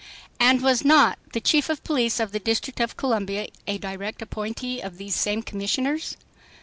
And was not the Chief of Police of the District of Columbia a direct appointee of these same commissioners?